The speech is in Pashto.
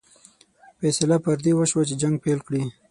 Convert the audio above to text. فیصله پر دې وشوه چې جنګ پیل کړي.